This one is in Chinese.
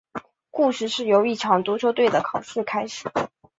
故事由一场足球队的考试开始。